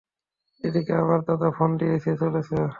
এদিকে আবার দাদা ফোন দিয়েই চলেছে।